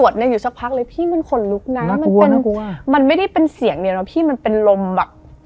ลิฟต์มันมีลิฟต์เดียว